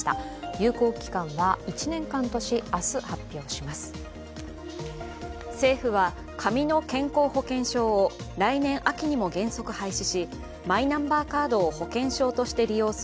有効期間は１年間とし明日発表します。